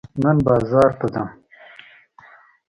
نن بازار ته ځم.